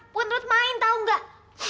buat buat main tau nggak